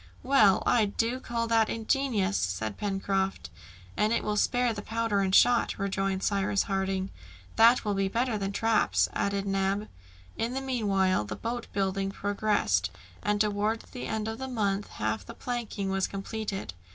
"Well! I do call that ingenious!" said Pencroft. "And it will spare the powder and shot," rejoined Cyrus Harding. "That will be better than traps!" added Neb. In the meanwhile the boat building progressed, and towards the end of the month half the planking was completed.